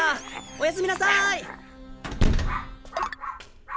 おやすみなさい！